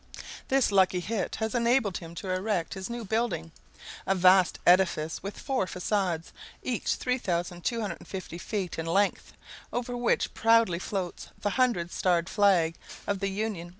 This lucky hit has enabled him to erect his new building, a vast edifice with four façades, each 3,250 feet in length, over which proudly floats the hundred starred flag of the Union.